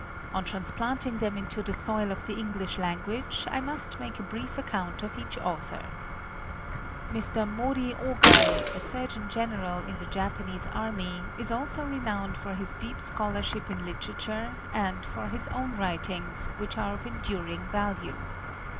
On trans planting them into the soil of the Eng lish language, I must make a brief ac count of each author. Mr. Mori Ogwai, a surgeon general in the Japanese army, is also renowned for his deep scholarship in literature and for his own writings, which are of en during value.